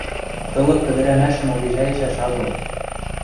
Тылык ӹдӹрӓмӓшӹм обижӓйӹшӓш агыл...